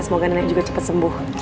semoga nenek juga cepat sembuh